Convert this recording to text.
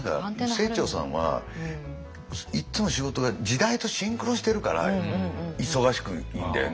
何か清張さんはいっつも仕事が時代とシンクロしてるから忙しくいんだよね。